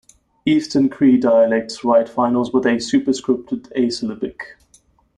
Eastern Cree dialects write finals with a superscripted a-syllabic.